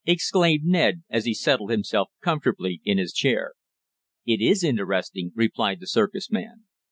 exclaimed Ned, as he settled himself comfortably in his chair. "It is interesting," replied the circus man.